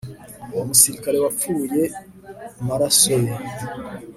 Uwo musirikare wapfuye mumaraso ye